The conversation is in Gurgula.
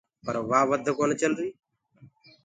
پر وآ وڌ ڪونآ چلري۔